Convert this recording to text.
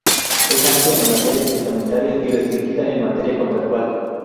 Es amplia en materia testamentaria y restringida en materia contractual.